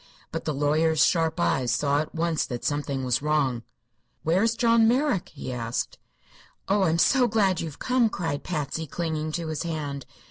But the lawyer's sharp eyes saw at once that something was wrong. "Where is John Merrick?" he asked. "Oh, I'm so glad you've come!" cried Patsy, clinging to his hand.